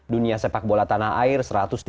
dunia sepak bola tanah air